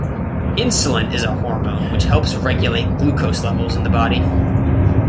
Insulin is a hormone which helps regulate glucose levels in the body.